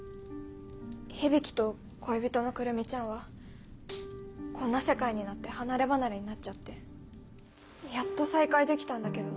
響と恋人の来美ちゃんはこんな世界になって離れ離れになっちゃってやっと再会できたんだけど。